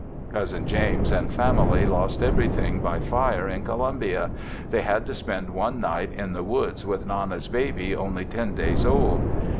Cousin James and family lost everything by fire in Columbia They had to spend one night in the woods with Nana's baby only ten days old.